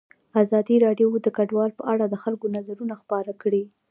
ازادي راډیو د کډوال په اړه د خلکو نظرونه خپاره کړي.